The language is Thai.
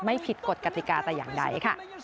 ไม่ผิดกฎกติกาแต่อย่างใดค่ะ